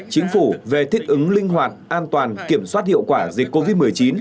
chính phủ về thích ứng linh hoạt an toàn kiểm soát hiệu quả dịch covid một mươi chín